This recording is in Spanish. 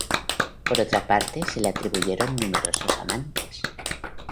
Por otra parte, se le atribuyeron numerosos amantes.